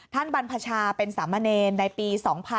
ท่านบรรพชาเป็นสามเณรในปี๒๔๗๗